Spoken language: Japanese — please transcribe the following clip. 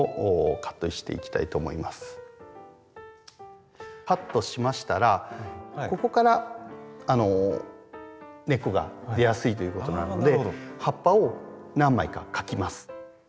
カットしましたらここから根っこが出やすいということなので葉っぱを何枚かかきます。